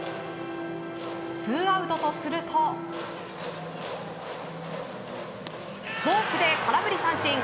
ツーアウトとするとフォークで空振り三振。